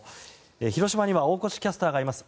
広島には大越キャスターがいます。